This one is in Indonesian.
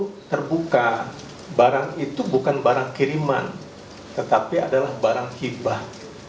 itu terbuka barang itu bukan barang kiriman tetapi adalah barang hibah